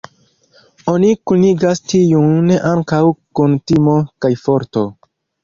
Oni kunigas tiun ankaŭ kun timo kaj forto.